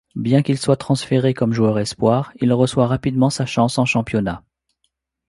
Bien qu'il soit transféré comme joueur espoir, il reçoit rapidement sa chance en championnat.